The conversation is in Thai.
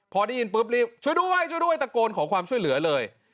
พอได้ยินปุ๊บรีบช่วยด้วยช่วยด้วยตะโกนขอความช่วยเหลือเลย